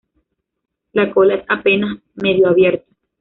La cola es apenas medio abierta.